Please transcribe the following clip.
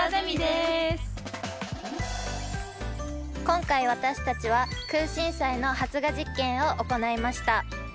今回私たちはクウシンサイの発芽実験を行いました。